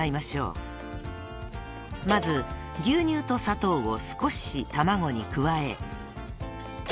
［まず牛乳と砂糖を少し卵に加え］卵入れます。